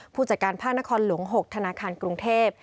ผู้จัดการภาคนครหลวง๖ธนาคารกรุงเทพ